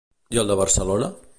I el de Barcelona?